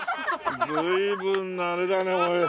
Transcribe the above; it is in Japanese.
随分なあれだねおい。